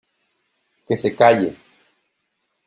¡ que se calle!